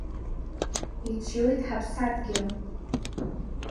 Иҿиоит Ҳаԥсадгьыл!